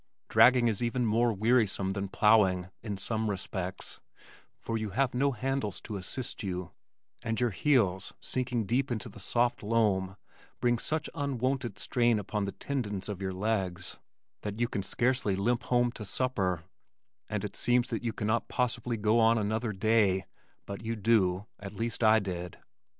Dragging is even more wearisome than plowing, in some respects, for you have no handles to assist you and your heels sinking deep into the soft loam bring such unwonted strain upon the tendons of your legs that you can scarcely limp home to supper, and it seems that you cannot possibly go on another day, but you do at least I did.